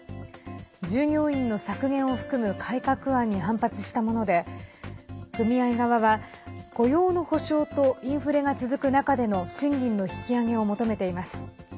従業員の削減を含む改革案に反発したもので組合側は雇用の保証とインフレが続く中での賃金の引き上げを求めています。